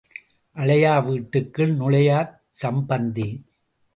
அழையா வீட்டுக்குள் நுழையாச் சம்பந்தி.